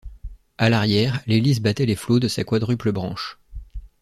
À l’arrière, l’hélice battait les flots de sa quadruple branche.